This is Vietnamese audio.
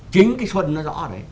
chính cái xuân nó rõ ở đấy